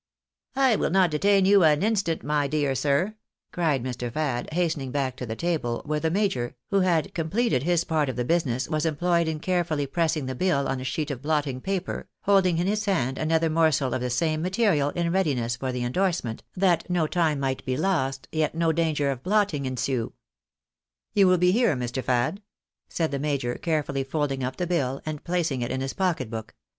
" I will not detain you an instant, my dear sir," cried Mr. Fad, hastening back to the table, where the major, who had completed Ms part of the business, was employed in carefully pressing the hiU on a sheet of blotting paper, holding in his hand another morsel of the same material in readiness for the endorsement, that no time might be lost, yet no danger of blotting ensue. You will be here, Mr. Fad ?" said the major, carefully folding up the bill, and placing it in his pocket book.